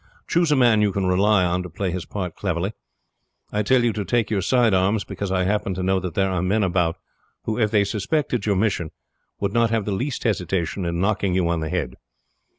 Choose a man you can rely on to play his part cleverly. I tell you to take your side arms, because I happen to know that there are men about who, if they suspected your mission, would not have the least hesitation in knocking you on the head.